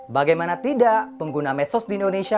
bagaimana tidak pengguna medsos di indonesia